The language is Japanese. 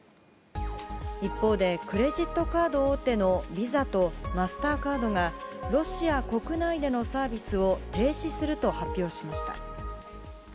一方でクレジットカード大手のビザとマスターカードがロシア国内でのサービスを停止すると発表しました。